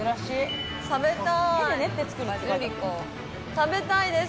食べたいです！